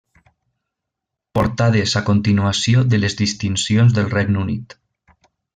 Portades a continuació de les distincions del Regne Unit.